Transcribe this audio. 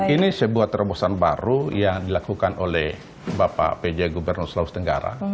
ini sebuah terobosan baru yang dilakukan oleh bapak pj gubernur sulawesi tenggara